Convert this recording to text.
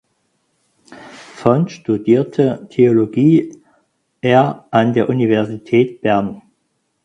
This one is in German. Von studierte Theologie er an der Universität Bern.